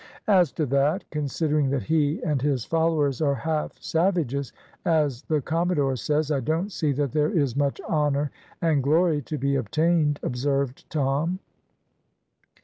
"As to that, considering that he and his followers are half savages, as the commodore says, I don't see that there is much honour and glory to be obtained," observed Tom.